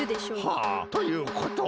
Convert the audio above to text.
はあということは。